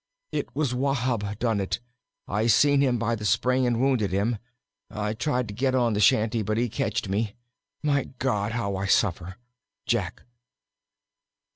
It was Wahb done it. I seen him by the spring and wounded him. I tried to git on the shanty, but he ketched me. My God, how I suffer! JACK.